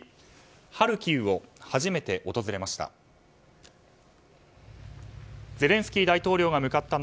ハルキウを初めて訪れました。